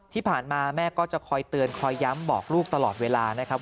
ที่ผ่านมาแม่ก็จะคอยเตือนคอยย้ำบอกลูกตลอดเวลานะครับ